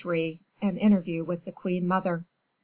An Interview with the Queen Mother.